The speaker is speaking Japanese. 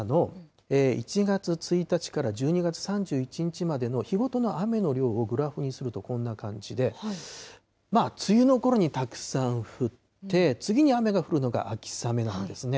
松山の１月１日から１２月３１日までの日ごとの雨の量をグラフにするとこんな感じで、梅雨のころにたくさん降って、次に雨が降るのが秋雨なんですね。